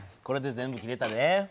これで全部切れたで。